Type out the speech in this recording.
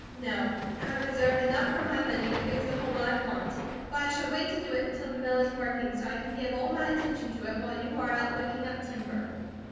No. I reserve enough from my money to fix the home I want; but I shall wait to do it until the mill is working, so I can give all my attention to it, while you are out looking up timber."